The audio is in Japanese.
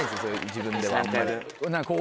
自分では。